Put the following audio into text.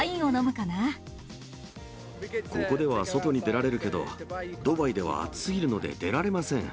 ここでは外に出られるけど、ドバイでは暑すぎるので出られません。